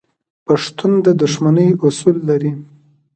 پښتون د دښمنۍ اصول لري.